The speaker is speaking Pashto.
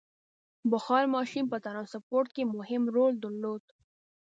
• بخار ماشین په ټرانسپورټ کې مهم رول درلود.